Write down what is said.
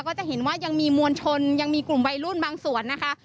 ก็จะเห็นว่ายังมีมวลชนยังมีกลุ่มวัยรุ่นบางส่วนนะคะ